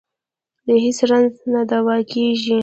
د هېڅ رنځ نه دوا کېږي.